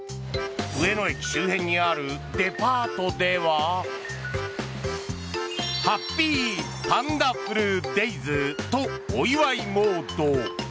上野駅周辺にあるデパートではハッピーパンダフルデイズとお祝いモード。